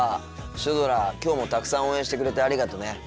シュドラきょうもたくさん応援してくれてありがとね。